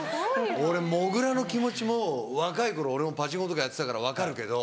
俺もぐらの気持ちも若い頃俺もパチンコとかやってたから分かるけど。